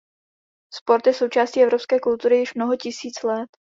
Sport je součástí evropské kultury již mnoho tisíc let.